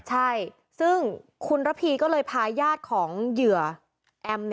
ใช่ซึ่งคุณระพีก็เลยพาญาติของเหยื่อแอม